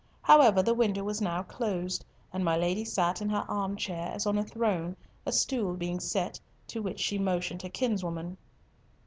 However the window was now closed, and my Lady sat in her arm chair, as on a throne, a stool being set, to which she motioned her kinswoman.